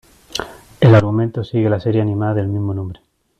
El argumento sigue la serie animada del mismo nombre.